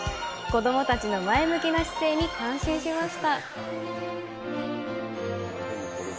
子供たちの前向きな姿勢に感心しました。